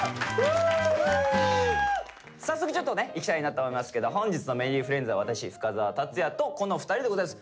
早速ちょっとねいきたいなと思いますけど本日のＭｅｒｒｙｆｒｉｅｎｄｓは私深澤辰哉とこの２人でございます。